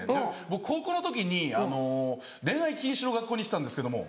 僕高校の時に恋愛禁止の学校に行ってたんですけども。